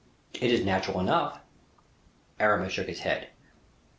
It is natural enough." Aramis shook his head.